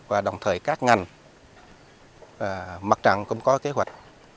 và đồng thời các ngành mặt trận cũng có kế hoạch